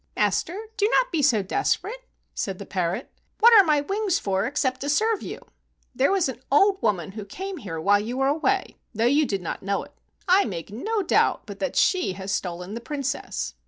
"Master, do not be so desperate," said the parrot. "What are my wings for except to serve you. There was an old woman who came here while you were away, though you did not know it. I make no doubt but that she has stolen the Princess.